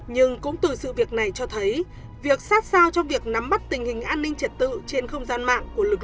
nhưng cũng từ sự việc này cho thấy việc sát sao cho việc nắm bắt tình hình an ninh trật tự trên không gian mạng của lực lượng